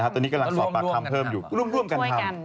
ตอนนี้กำลังสอบปากคำเพิ่มอยู่ร่วมกันทำ